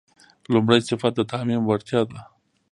لومړی صفت د تعمیم وړتیا ده.